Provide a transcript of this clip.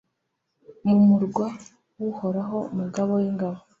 mu murwa w’Uhoraho Umugaba w’ingabo